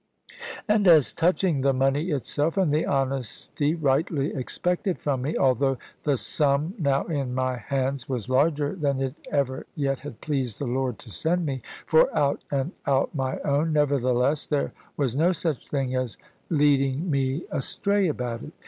And as touching the money itself, and the honesty rightly expected from me, although the sum now in my hands was larger than it ever yet had pleased the Lord to send me, for out and out my own, nevertheless there was no such thing as leading me astray about it.